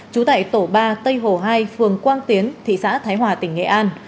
trú tại tổ ba tây hồ hai phường quang tiến thị xã thái hòa tỉnh nghệ an